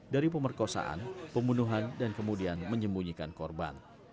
dari pemerkosaan pembunuhan dan kemudian menyembunyikan korban